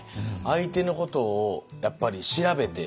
相手のことをやっぱり調べて。